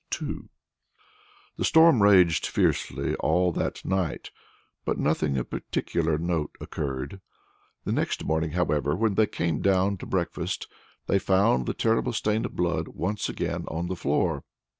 II The storm raged fiercely all that night, but nothing of particular note occurred. The next morning, however, when they came down to breakfast, they found the terrible stain of blood once again on the floor.